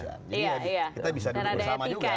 jadi kita bisa diurus sama juga